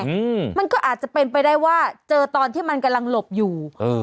อืมมันก็อาจจะเป็นไปได้ว่าเจอตอนที่มันกำลังหลบอยู่เออ